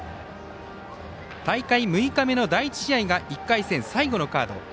大会６日目の第１試合が１回戦最後のカード。